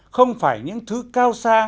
không phải những thứ cao xa